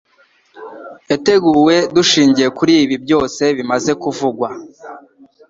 yateguwe dushingiye kuri ibi byose bimaze kuvugwa.